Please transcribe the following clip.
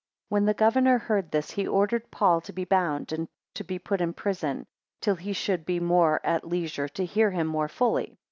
9 When the governor heard this, he ordered Paul to be bound, and to be put in prison, till he should be more at leisure to hear him more fully.